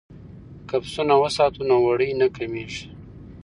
که پسونه وساتو نو وړۍ نه کمیږي.